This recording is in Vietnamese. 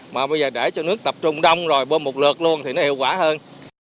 mà bây giờ để cho nước tập trung đông rồi bơm một lượt luôn thì nó hiệu quả hơn